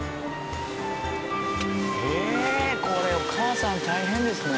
ええこれお母さん大変ですね。